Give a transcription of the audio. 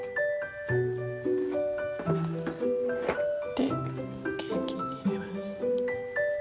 でケーキに入れます。